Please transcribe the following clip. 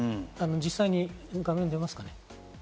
実際が画面に出ますかね。